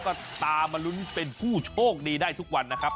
ก็ตามมาลุ้นเป็นผู้โชคดีได้ทุกวันนะครับ